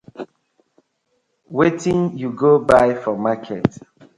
Wetin yu go bai for market.